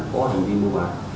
có thành viên mua bán